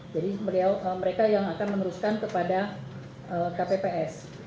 jadi mereka yang akan meneruskan kepada kpps